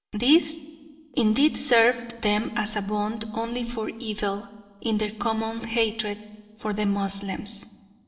This, indeed, served them as a bond only for evil in their common hatred for the Moslems.